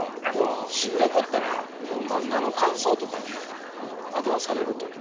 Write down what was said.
芯なかったらこう漫画の感想とかで惑わされる時とか。